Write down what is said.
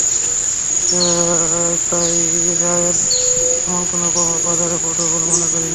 তাই রায়ের তেমন কোনো প্রভাব বাজারে পড়বে বলে মনে করি না।